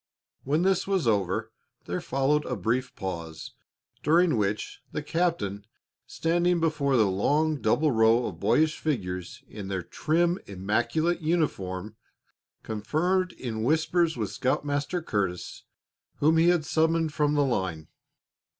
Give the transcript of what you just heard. When this was over, there followed a brief pause, during which the captain, standing before the long, double row of boyish figures, in their trim, immaculate uniforms, conferred in whispers with Scoutmaster Curtis, whom he had summoned from the line.